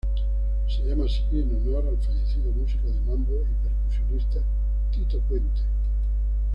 Se llama así en honor al fallecido músico de mambo y percusionista Tito Puente.